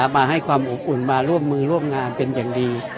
มาให้ความอบอุ่นมาร่วมมือร่วมงานเป็นอย่างดี